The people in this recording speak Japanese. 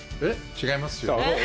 違いますよ。